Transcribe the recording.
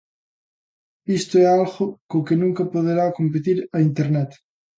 Isto é algo co que nunca poderá competir a internet.